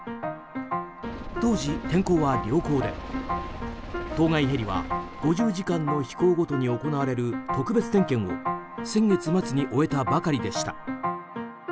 当時、天候は良好で当該ヘリは５０時間の飛行ごとに行われる特別点検を先月末に終えたばかりでした。